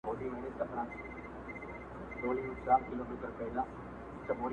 • له تا قربان ستا ديدنـونـه هېـر ولاى نــه ســم.